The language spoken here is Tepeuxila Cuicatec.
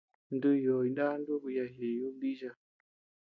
Ntú yòò jiná nuku yachi ñeʼe yúdi nícha.